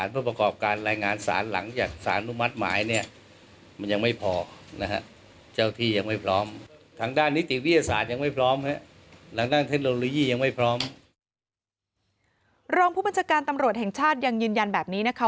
ผู้บัญชาการตำรวจแห่งชาติยังยืนยันแบบนี้นะคะ